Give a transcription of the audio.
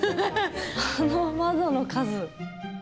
あの窓の数。